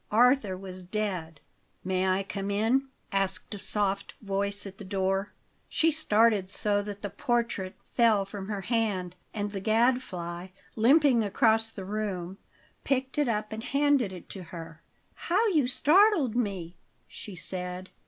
Arthur was dead. "May I come in?" asked a soft voice at the door. She started so that the portrait fell from her hand, and the Gadfly, limping across the room, picked it up and handed it to her. "How you startled me!" she said.